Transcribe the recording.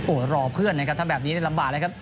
โอ้รอเพื่อนนะครับถ้าแบบนี้ลำบากนะครับ